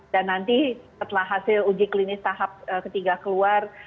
dan nanti setelah hasil uji klinis tahap ketiga